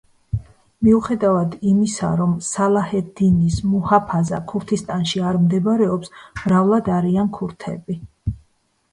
მიუხედავად იმისა, რომ სალაჰ-ედ-დინის მუჰაფაზა ქურთისტანში არ მდებარეობს, მრავლად არიან ქურთები.